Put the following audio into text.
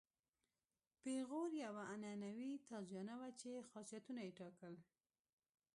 پیغور یوه عنعنوي تازیانه وه چې خاصیتونه یې ټاکل.